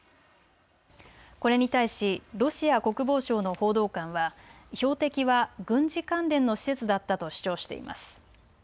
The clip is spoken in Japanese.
これに対しロシア国防省の報道官は標的は軍事関連の施設だったと主張しています。